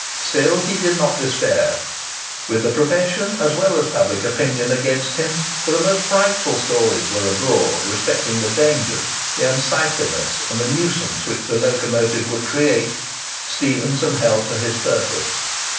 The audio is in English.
Still he did not despair. With the profession as well as public opinion against him—for the most frightful stories were abroad respecting the dangers, the unsightliness, and the nuisance which the locomotive would create—Stephenson held to his purpose.